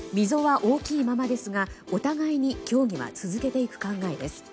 溝は大きいままですが、お互いに協議は続けていく考えです。